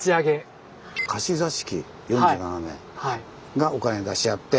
「貸座敷四十七名」がお金出し合って。